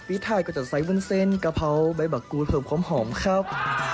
พริดไทยก็จะใส่บุญเส้นกะเพราใบบักกูเพิ่มความหอมครับ